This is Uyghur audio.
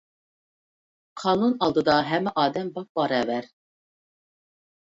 قانۇن ئالدىدا ھەممە ئادەم باپباراۋەر.